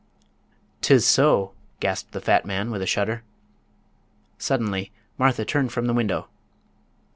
"'Tis so!" gasped the fat man, with a shudder. Suddenly Martha turned from the window.